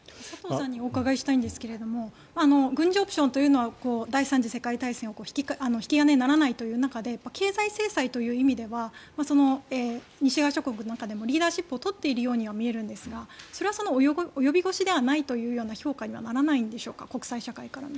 佐藤さんにお伺いしたいんですが軍事オプションというのは第３次世界大戦の引き金になりかねないという中で経済制裁という意味では西側諸国の中でもリーダーシップを取っているようには見えるんですがそれは及び腰ではないという評価にはならないんでしょうか。